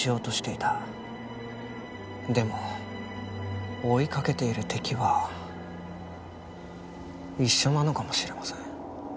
でも追いかけている敵は一緒なのかもしれません。